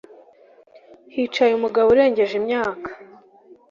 Hicaye umugabo urengeje imyaka